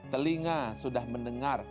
telinga sudah mendengar